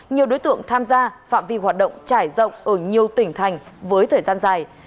nhiều đối tượng tham gia phạm vi hoạt động trải rộng ở nhiều tỉnh thành với thời gian dài